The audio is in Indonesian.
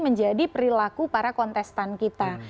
menjadi perilaku para kontestan kita